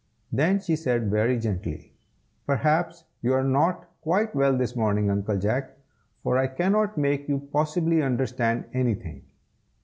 Then she said very gently, "Perhaps you are not quite well this morning, Uncle Jack, for I cannot make you possibly understand anything.